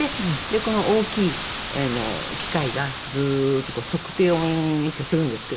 この大きい機械がずーっと測定をウィンウィンウィンってするんですけど。